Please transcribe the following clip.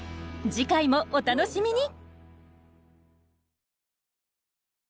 次回もお楽しみに。